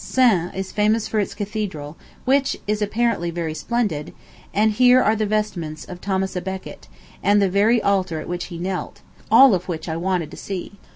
Sens is famous for its Cathedral, which is apparently very splendid; and here are the vestments of Thomas à Becket, and the very altar at which he knelt, all of which I wanted to see.